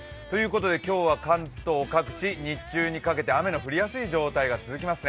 今日は関東各地、日中にかけて雨の降りやすい状態が続きます。